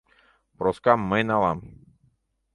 Проскам мый налам...